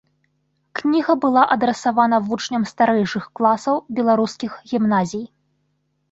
Кніга была адрасавана вучням старэйшых класаў беларускіх гімназій.